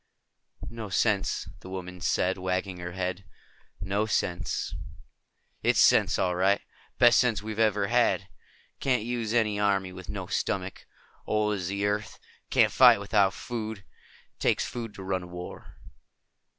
"No sense," the woman said, wagging her head. "No sense." "It's sense, all right. Best sense we've ever had. Can't use an army with no stomach. Old as the earth. Can't fight without food. Takes food to run a war."